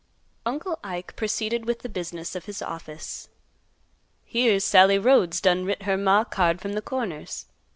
Uncle Ike proceeded with the business of his office. "Here's Sallie Rhodes done writ her maw a card from th' Corners.